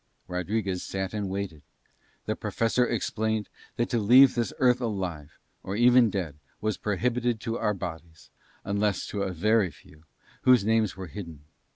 ] Rodriguez sat and waited. The Professor explained that to leave this Earth alive, or even dead, was prohibited to our bodies, unless to a very few, whose names were hidden.